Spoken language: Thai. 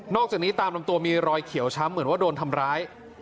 อกจากนี้ตามลำตัวมีรอยเขียวช้ำเหมือนว่าโดนทำร้าย